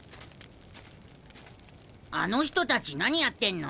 あの人たち何やってんの？